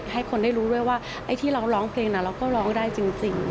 ให้คนได้รู้ด้วยว่าไอ้ที่เราร้องเพลงเราก็ร้องได้จริง